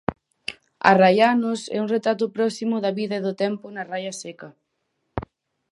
Arraianos é un retrato próximo da vida e do tempo na Raia Seca.